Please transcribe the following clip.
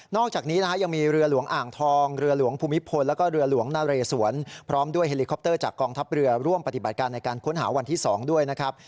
อกจากนี้นะฮะยังมีเรือหลวงอ่างทองเรือหลวงภูมิพลแล้วก็เรือหลวงนาเรสวนพร้อมด้วยเฮลิคอปเตอร์จากกองทัพเรือร่วมปฏิบัติการในการค้นหาวันที่๒ด้วยนะครับ